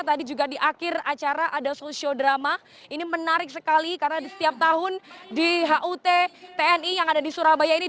tadi juga di akhir acara ada sosiodrama ini menarik sekali karena di setiap tahun di hut tni yang ada di surabaya ini